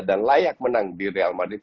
dan layak menang di real madrid